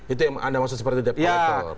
itu yang anda maksud seperti debt collector